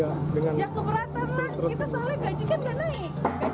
ya keberatan lah kita soalnya gaji kan gak naik